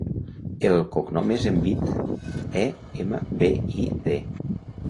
El cognom és Embid: e, ema, be, i, de.